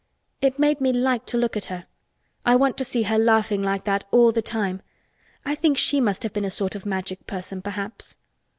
It made me like to look at her. I want to see her laughing like that all the time. I think she must have been a sort of Magic person perhaps."